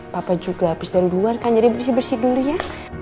papa juga habis dari luar kan jadi bersih bersih dulu ya